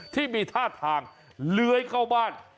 ที่มีท่าทางเลื้อยเข้าบ้าน